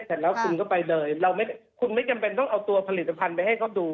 เสร็จแล้วคุณก็ไปเลยเราคุณไม่จำเป็นต้องเอาตัวผลิตภัณฑ์ไปให้เขาดู